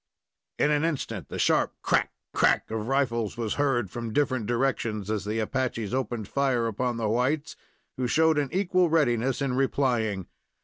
In an instant the sharp crack! crack! of rifles was heard from different directions, as the Apaches opened fire upon the whites, who showed an equal readiness in replying.